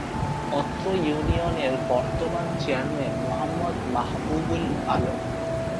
অত্র ইউনিয়নের বর্তমান চেয়ারম্যান মোহাম্মদ মাহাবুব-উল-আলম